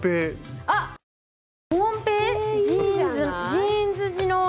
ジーンズ地の。